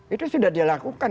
itu sudah dilakukan